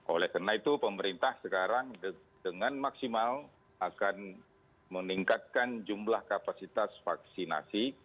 oleh karena itu pemerintah sekarang dengan maksimal akan meningkatkan jumlah kapasitas vaksinasi